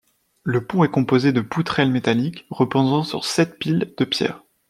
Le pont est composé de poutrelles métalliques reposant sur sept piles de pierre.